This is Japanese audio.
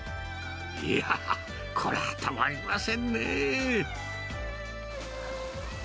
いやー、これはたまりませんねぇ。